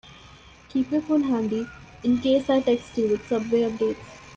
Keep your phone handy in case I text you with subway updates.